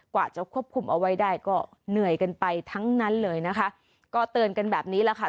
กว่าจะควบคุมเอาไว้ได้ก็เหนื่อยกันไปทั้งนั้นเลยนะคะก็เตือนกันแบบนี้แหละค่ะ